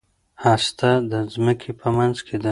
هسته د ځمکې منځ کې ده.